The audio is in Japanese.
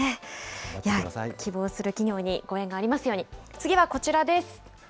希望する企業にご縁がありますように、次はこちらです。